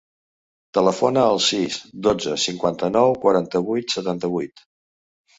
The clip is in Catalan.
Telefona al sis, dotze, cinquanta-nou, quaranta-vuit, setanta-vuit.